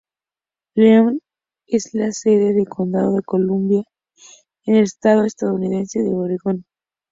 Helens es la sede del condado de Columbia en el estado estadounidense de Oregón.